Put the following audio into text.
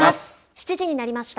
７時になりました。